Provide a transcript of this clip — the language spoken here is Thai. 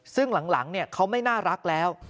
ซึ่งหลังเขาไม่น่ารักแล้ว